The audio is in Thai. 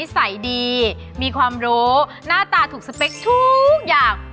ใสดีมีความรู้หน้าตาถูกสเปคทุกอย่าง